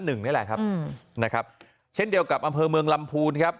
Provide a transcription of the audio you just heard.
นี่แหละครับนะครับเช่นเดียวกับอำเภอเมืองลำพูนครับ